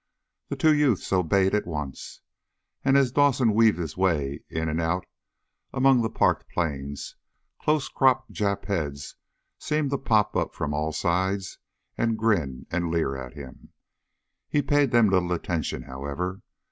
The two youths obeyed at once, and as Dawson weaved his way in and out among the parked planes, close cropped Jap heads seemed to pop up from all sides and grin and leer at him. He paid them little attention, however.